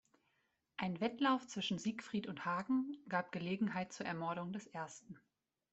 Ein Wettlauf zwischen Siegfried und Hagen gab Gelegenheit zur Ermordung des ersten.